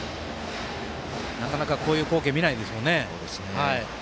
なかなかこういう光景見ないですもんね。